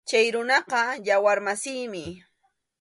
Chay runaqa yawar masiymi.